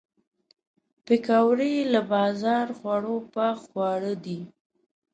پکورې له بازار خوړو پاک خواړه دي